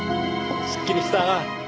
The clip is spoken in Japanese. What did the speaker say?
すっきりした。